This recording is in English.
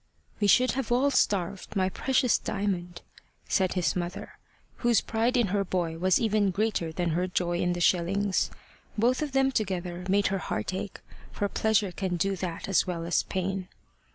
"We should have all starved, my precious Diamond," said his mother, whose pride in her boy was even greater than her joy in the shillings. Both of them together made her heart ache, for pleasure can do that as well as pain.